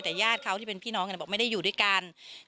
แต่ญาติเขาที่เป็นพี่น้องกันบอกไม่ได้อยู่ด้วยกัน